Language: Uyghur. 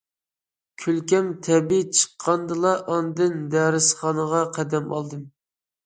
كۈلكەم تەبىئىي چىققاندىلا ئاندىن دەرسخانىغا قەدەم ئالدىم.